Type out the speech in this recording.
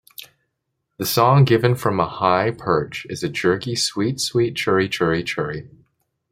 The song, given from a high perch, is a jerky "sweet-sweet-churri-churri-churri".